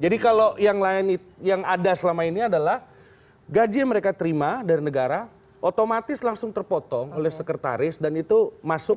jadi kalau yang ada selama ini adalah gaji yang mereka terima dari negara otomatis langsung terpotong oleh sekretaris dan itu masuk